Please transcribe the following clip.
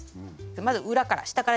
まず裏から下から。